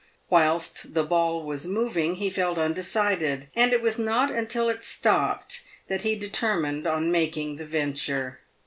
Whilst the ball was moving, he felt undecided, and it was not until it stopped that he determined on making the venture.